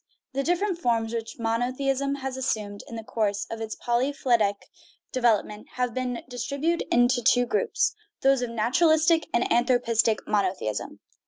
The different forms which monotheism has assumed in the course of its polyphyletic development may be distributed in two groups those of naturalistic and anthropistic monotheism.